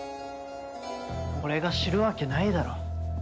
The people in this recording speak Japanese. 俺が知るわけないだろ。